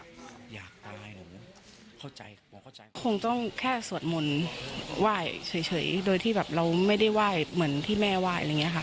คงต้องแค่สวดมนต์ว่ายเฉยโดยที่เราไม่ได้ว่ายเหมือนที่แม่ว่าย